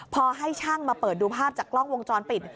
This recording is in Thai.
พอให้ช่างมาเปิดดูภาพจากกล้องวงจรปิด